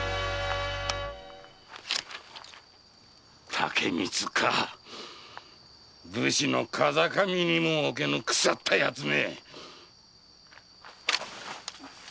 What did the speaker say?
竹光か武士の風上にもおけぬ腐ったヤツめ！